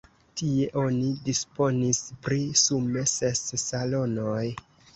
Tie oni disponis pri sume ses salonoj.